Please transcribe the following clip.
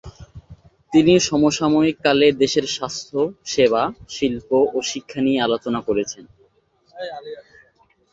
তিনি সমসাময়িক কালে দেশের স্বাস্থ্য, সেবা, শিল্প ও শিক্ষা নিয়ে আলোচনা করেছেন।